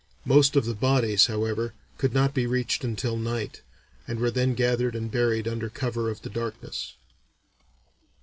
Most of the bodies, however, could not be reached until night, and were then gathered and buried under cover of the darkness."